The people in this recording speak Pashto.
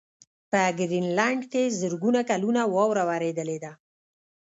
په ګرینلنډ کې زرګونه کلونه واوره ورېدلې ده.